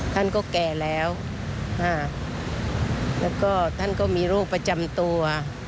ท่านก็แก่แล้วแล้วก็ท่านก็มีโรคประจำตัว